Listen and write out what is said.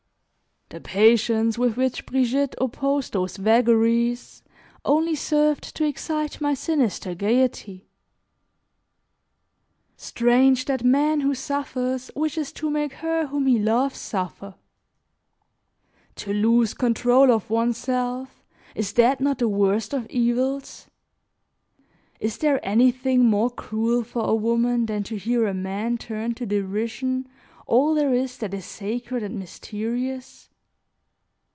The patience with which Brigitte opposed those vagaries only served to excite my sinister gaiety. Strange that man who suffers wishes to make her, whom he loves, suffer! To lose control of oneself, is that not the worst of evils? Is there anything more cruel for a woman than to hear a man turn to derision all there is that is sacred and mysterious?